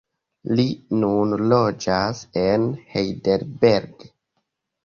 Li nun loĝas en Heidelberg.